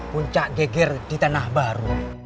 puncak geger di tanah baru